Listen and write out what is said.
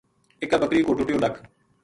اِکا بکری کو ٹُٹیو لَک